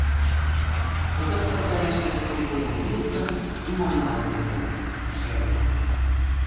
Кызыт торгаяш эрыкым пуэн улыт гын, нимом налын от керт — шерге.